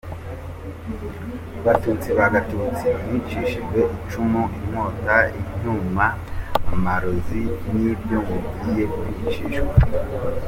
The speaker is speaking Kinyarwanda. Batutsi ba Gatutsi, mwicishije icumu, inkota, icyuma, amarozi, ni byo mugiye kwicishwa.